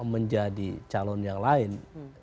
menjadi calon yang lain